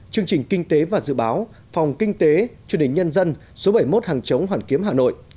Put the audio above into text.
chương trình kinh tế và dự báo phòng kinh tế truyền hình nhân dân số bảy mươi một hàng chống hoàn kiếm hà nội